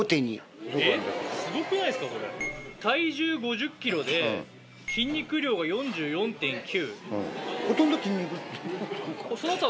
体重５０ｋｇで筋肉量が４４．９。